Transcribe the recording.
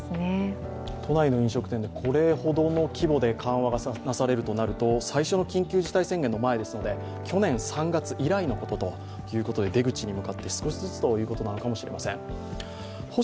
都内の飲食店でこれほどの規模で緩和がなされるとなると最初の緊急事態宣言の前去年３月以来とのことで出口に向かって少しずつということなのかもしれません。